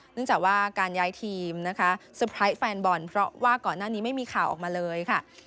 เนื่องจากว่าการย้ายทีมนะคะเตอร์ไพรส์แฟนบอลเพราะว่าก่อนหน้านี้ไม่มีข่าวออกมาเลยค่ะ